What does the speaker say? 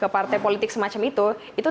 ke partai politik semacam itu itu